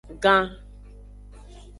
Gan.